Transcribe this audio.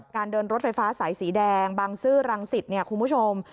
เดินรถไฟฟ้าสายสีแดงบางซื่อรังสิตเนี่ยคุณผู้ชม